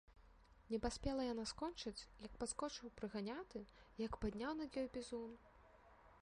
Не паспела яна скончыць, як падскочыў прыганяты, як падняў над ёй бізун.